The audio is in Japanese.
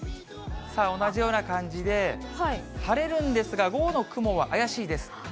同じような感じで、晴れるんですが、午後の雲は怪しいです。